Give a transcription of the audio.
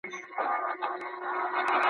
تاسي په خپلو دوستانو کي د باور وړ یاست.